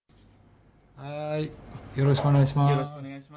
よろしくお願いします。